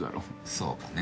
そうかね。